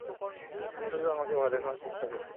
তুমি শুধু আমাকে ভয় দেখানোর চেষ্টা করছ।